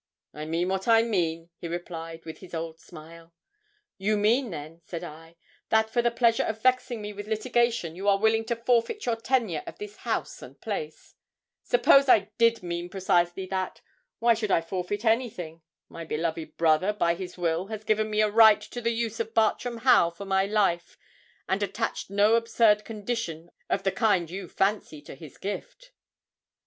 '"I mean what I mean," he replied, with his old smile. '"You mean then," said I, "that for the pleasure of vexing me with litigation, you are willing to forfeit your tenure of this house and place." '"Suppose I did mean precisely that, why should I forfeit anything? My beloved brother, by his will, has given me a right to the use of Bartram Haugh for my life, and attached no absurd condition of the kind you fancy to his gift."